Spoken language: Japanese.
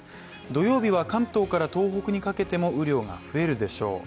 土曜日は、関東から東北にかけても雨量が増えるでしょう。